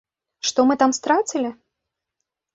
Што мы там страцілі?